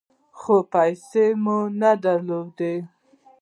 خو پیسې مو نه درلودې .